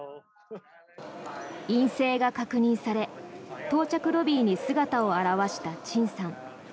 陰性が確認され到着ロビーに姿を現したチンさん。